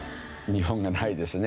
日本がないですね。